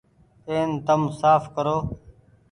اين تم ساڦ ڪرو۔